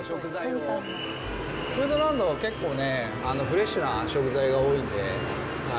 フードランドも、結構ね、フレッシュな食材が多いんで。